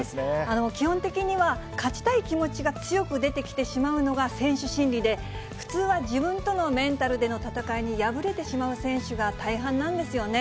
基本的には、勝ちたい気持ちが強く出てきてしまうのが選手心理で、普通は自分とのメンタルでの闘いに敗れてしまう選手が大半なんですよね。